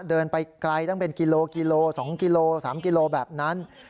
เดินไปไกลตั้งเป็นกิโลกิโล๒กิโล๓กิโลแบบนั้น